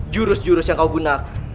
jurus jurus yang kamu gunakan